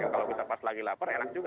kalau kita pas lagi lapar enak juga